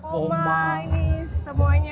tuh kompa ini semuanya